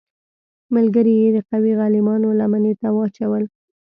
ملګري یې د قوي غلیمانو لمنې ته واچول.